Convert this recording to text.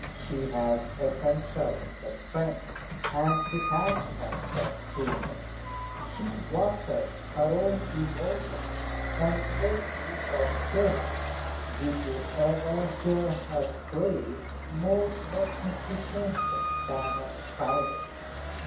She has essentially the strength and detachment of genius. She watches her own emotions and makes use of them. Did you ever hear her play more magnificently than on Friday?